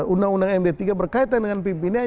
undang undang md tiga berkaitan dengan pimpinan